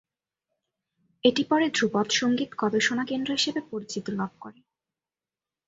এটি পরে ধ্রুপদ সঙ্গীত গবেষণা কেন্দ্র হিসেবে পরিচিত লাভ করে।